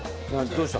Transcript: どうした？